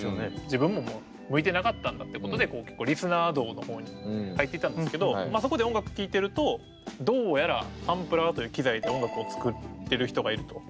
自分ももう向いてなかったんだってことでリスナー道の方に入っていったんですけどまあそこで音楽聴いてるとどうやらサンプラーという機材で音楽を作ってる人がいると。